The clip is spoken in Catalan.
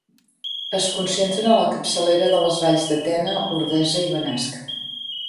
Es concentren a la capçalera de les valls de Tena, Ordesa i Benasc.